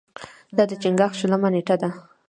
دا د چنګاښ شلمه نېټه ده.